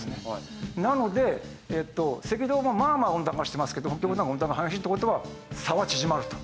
なので赤道もまあまあ温暖化してますけど北極の方が温暖化が激しいっていう事は差は縮まると。